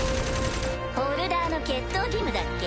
ホルダーの決闘義務だっけ？